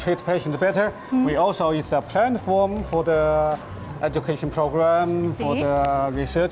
jadi tidak hanya untuk mengembalikan pengetahuan tetapi juga teknologi dan pengalaman